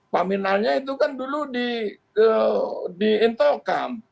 paminalnya itu kan dulu diintokam